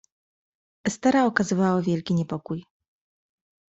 "Estera okazywała wielki niepokój."